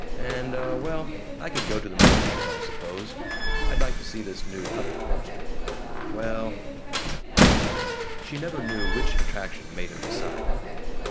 And, uh, well, I could go to the motor show, I suppose. I'd like to see this new Hup roadster. Well " She never knew which attraction made him decide.